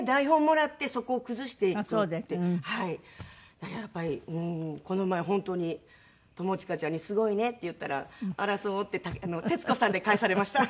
だからやっぱりこの前本当に友近ちゃんに「すごいね」って言ったら「あらそう？」って徹子さんで返されました。